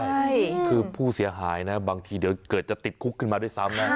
ใช่คือผู้เสียหายนะบางทีเดี๋ยวเกิดจะติดคุกขึ้นมาด้วยซ้ำนะ